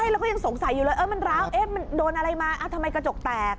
แล้วก็ยังสงสัยอยู่เลยมันร้าวมันโดนอะไรมาทำไมกระจกแตก